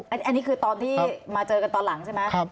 อันนี้คือตอนที่มาเจอกันตอนหลังใช่ไหม